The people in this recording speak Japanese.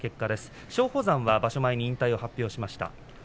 松鳳山は場所前に引退を発表しました。